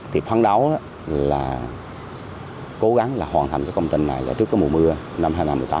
thì phán đấu là cố gắng hoàn thành công trình này trước mùa mưa năm hai nghìn một mươi tám